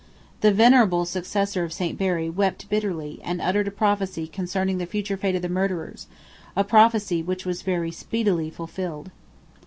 The venerable successor of St. Barry "wept bitterly, and uttered a prophecy concerning the future fate of the murderers;" a prophecy which was very speedily fulfilled.